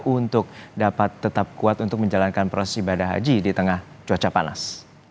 untuk dapat tetap kuat untuk menjalankan proses ibadah haji di tengah cuaca panas